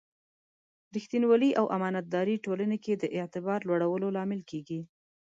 ریښتینولي او امانتداري ټولنې کې د اعتبار لوړولو لامل کېږي.